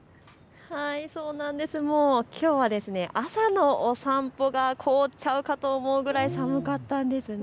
もうきょうは朝のお散歩が凍っちゃうかと思うくらい寒かったんです。